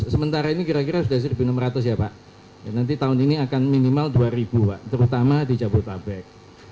sementara ini kira kira sudah rp satu enam ratus ya pak nanti tahun ini akan minimal rp dua terutama di jabodetabek